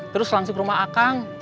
terus langsung rumah akang